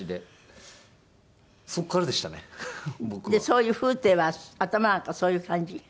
そういう風体は頭なんかそういう感じ？